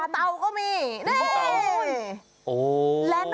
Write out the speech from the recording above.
เตาก็มีนี่